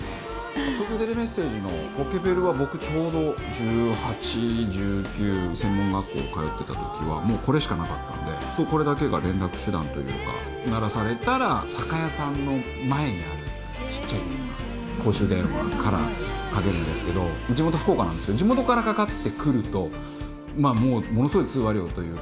東京テレメッセージのポケベルは、僕ちょうど１８、１９、専門学校通ってたときは、もうこれしかなかったんで、これだけが連絡手段というか、鳴らされたら、酒屋さんの前にあるちっちゃい電話、公衆電話からかけるんですけど、地元、福岡なんですけど、地元からかかってくると、もうものすごい通話料というか。